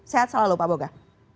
sehat selalu pak boga